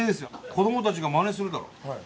「子どもたちがまねするだろ。